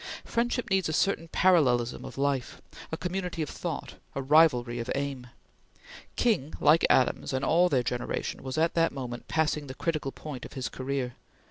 Friendship needs a certain parallelism of life, a community of thought, a rivalry of aim. King, like Adams, and all their generation, was at that moment passing the critical point of his career.